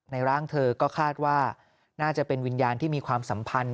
ร่างเธอก็คาดว่าน่าจะเป็นวิญญาณที่มีความสัมพันธ์